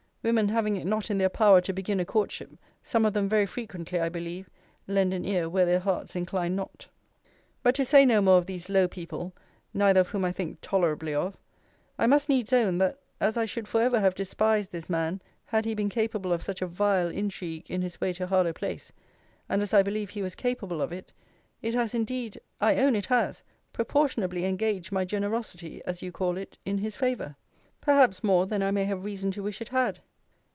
Women having it not in their power to begin a courtship, some of them very frequently, I believe, lend an ear where their hearts incline not. But to say no more of these low people, neither of whom I think tolerably of; I must needs own, that as I should for ever have despised this man, had he been capable of such a vile intrigue in his way to Harlowe place, and as I believe he was capable of it, it has indeed [I own it has] proportionably engaged my generosity, as you call it, in his favour: perhaps more than I may have reason to wish it had.